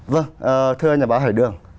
vâng thưa nhà báo hải đường